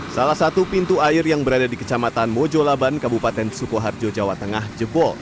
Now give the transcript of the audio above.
salah satu pintu air yang berada di kecamatan mojolaban kabupaten sukoharjo jawa tengah jebol